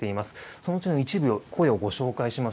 そのうちの一部の声をご紹介します。